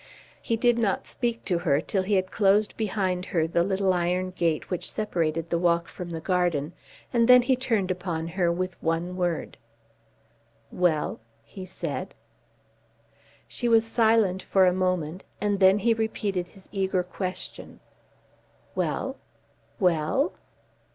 He did not speak to her till he had closed behind her the little iron gate which separated the walk from the garden, and then he turned upon her with one word. "Well?" he said. She was silent for a moment, and then he repeated his eager question: "Well; well?"